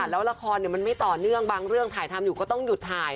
แล้วละครมันไม่ต่อเนื่องบางเรื่องถ่ายทำอยู่ก็ต้องหยุดถ่าย